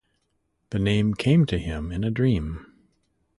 The name came to him in a dream.